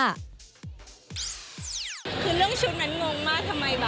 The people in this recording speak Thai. คือเรื่องชุดนั้นงงมากทำไมวะ